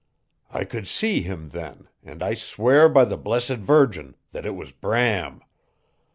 I could see him then, and I swear by the Blessed Virgin that it was Bram!